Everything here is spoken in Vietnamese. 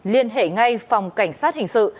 liên hệ ngay phòng cảnh sát hình sự